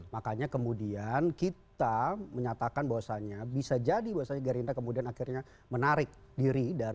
makanya kemudian kita menyatakan bahwasanya bisa jadi bahwasanya gerindra kemudian akhirnya menarik diri dari pembangunan